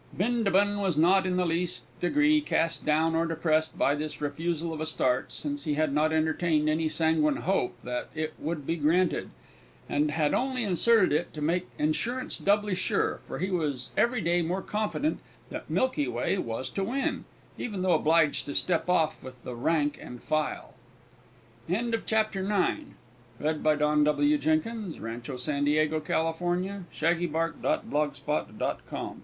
Bindabun was not in the least degree cast down or depressed by this refusal of a start, since he had not entertained any sanguine hope that it would be granted, and had only inserted it to make insurance doubly sure, for he was every day more confident that Milky Way was to win, even though obliged to step off with the rank and file. CHAPTER X TRUST HER NOT! SHE IS FOOLING THEE! As the Sunset flames most fiery when snuffed out by sud